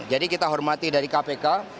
kita hormati dari kpk